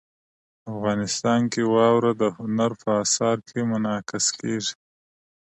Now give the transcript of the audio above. افغانستان کې واوره د هنر په اثار کې منعکس کېږي.